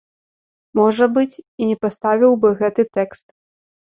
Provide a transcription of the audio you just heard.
Можа быць, і не паставіў бы гэты тэкст.